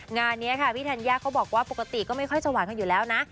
งานนี้ค่ะพี่ธัญญาเขาบอกว่าปกติก็ไม่ค่อยสว่างกันอยู่แล้วนะ